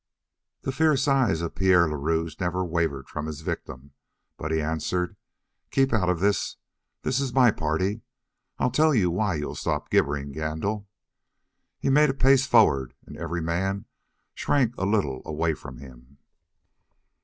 The fierce eyes of Pierre le Rouge never wavered from his victim, but he answered: "Keep out of this. This is my party. I'll tell you why you'll stop gibbering, Gandil." He made a pace forward and every man shrank a little away from him.